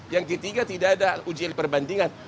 yang ketiga tidak ada ujian perbandingan